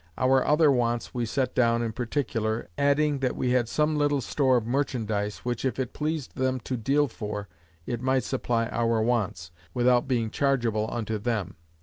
Our other wants we set down in particular; adding, That we had some little store of merchandise, which if it pleased them to deal for, it might supply our wants, without being chargeable unto them.